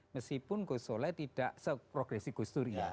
meskipun gus solah tidak seprogresi gus dur